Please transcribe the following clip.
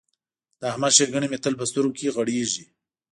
د احمد ښېګڼې مې تل په سترګو کې غړېږي.